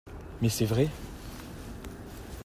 Mais c'est vrai!